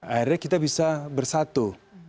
akhirnya kita bisa bersatu